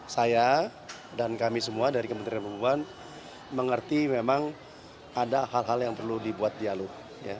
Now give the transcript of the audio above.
saya dan kami semua dari kementerian perhubungan mengerti memang ada hal hal yang perlu dibuat dialog